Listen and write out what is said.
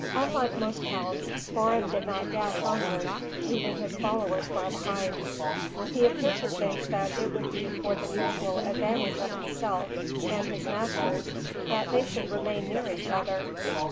Unlike most hounds, Spoor'em did not dash onward, leaving his followers far behind. He appeared to think that it would be for the mutual advantage of himself and his masters that they should remain near each other.